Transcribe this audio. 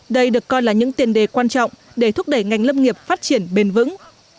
đây được coi là những tiền đề quan trọng để thúc đẩy ngành lâm nghiệp phát triển bền vững